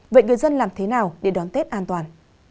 vậy người dân làm thế nào để đón tết an toàn